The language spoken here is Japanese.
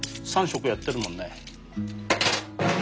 ３食やってるもんね。